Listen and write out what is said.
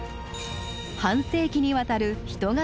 半世紀にわたる人型